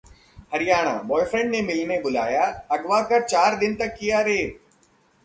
Haryana: boyfriend ने मिलने बुलाया, अगवा कर चार दिन तक किया रेप